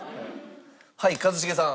はい一茂さん。